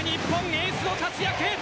エースの活躍。